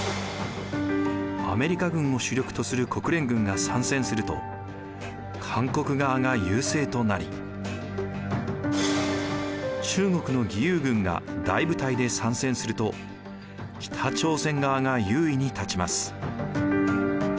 アメリカ軍を主力とする国連軍が参戦すると韓国側が優勢となり中国の義勇軍が大部隊で参戦すると北朝鮮側が優位に立ちます。